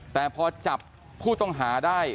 แต่พอจับผู้ต้องหาได้